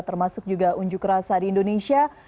termasuk juga unjuk rasa di indonesia